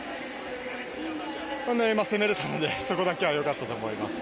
攻めれたのでそこだけは好かったと思います。